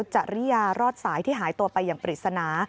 จริยารอดสายที่หายตัวไปอย่างปริศนา